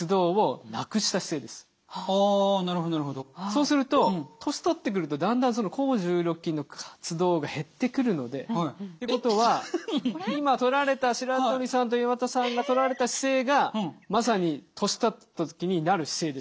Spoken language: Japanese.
そうすると年取ってくるとだんだんその抗重力筋の活動が減ってくるのでっていうことは今とられた白鳥さんと岩田さんがとられた姿勢がまさに年取った時になる姿勢です。